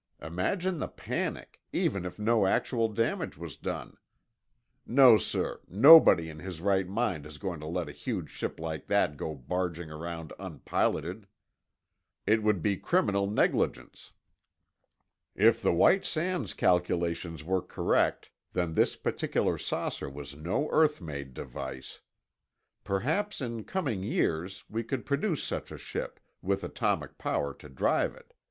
Imagine the panic, even if no actual damage was done. No, sir—nobody in his right mind is going to let a huge ship like that go barging around unpiloted. It would be criminal negligence. "If the White Sands calculations were correct, then this particular saucer was no earth made device. Perhaps in coming years, we could produce such a ship, with atomic power to drive it.